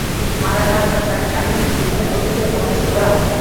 তিনি মারা যান এবং তাকে আইউপ সুলতান মসজিদে সমাধিস্থ করা হয়।